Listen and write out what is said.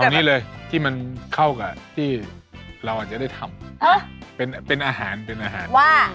นี่เดี๋ยวก่อนอันนี้กวนหรือเปล่าเนี่ย